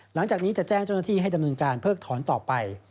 หลังจากนี้จะแจ้งเจ้าหน้าที่ให้ดำเนินการเพิกถอนต่อไป